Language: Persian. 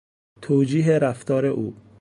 توجیه رفتار او